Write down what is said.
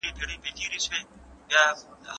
زه اوږده وخت د ښوونځی لپاره امادګي نيسم وم!!